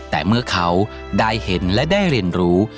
แต่เมื่อเขาได้เห็นและได้เรียนรู้